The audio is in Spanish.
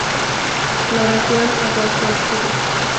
Floración agosto-octubre.